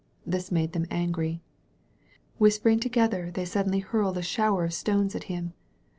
This made them angiy. Whispering together, they suddenly hurled a shower of stones at him.